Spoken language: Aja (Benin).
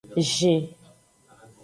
Zin.